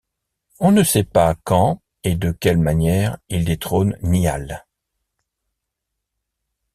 On ne sait pas quand et de quelle manière il détrône Niall.